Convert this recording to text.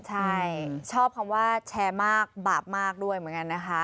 ใช่ชอบคำว่าแชร์มากบาปมากด้วยเหมือนกันนะคะ